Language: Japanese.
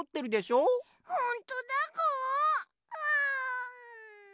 うん！